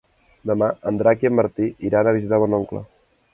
Demà en Drac i en Martí iran a visitar mon oncle.